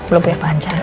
belum punya pacar